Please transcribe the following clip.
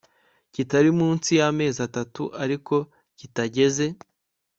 kitari munsi y amezi atatu ariko kitageze